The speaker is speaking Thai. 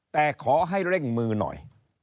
แต่ขอให้เร่งมือหน่อย